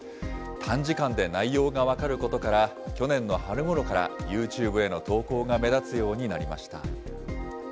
短時間で内容が分かることから、去年の春ごろから、ユーチューブへの投稿が目立つようになりました。